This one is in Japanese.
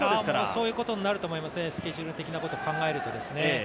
そういうことになると思います、スケジュール的なことを考えるとですね。